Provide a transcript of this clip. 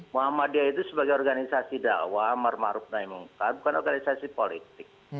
muhammadiyah itu sebagai organisasi da'wah marmaruf dan imungkat bukan organisasi politik